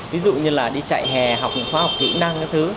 ví dụ như là đi chạy hè học những khoa học kỹ năng các thứ